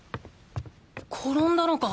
転んだのか？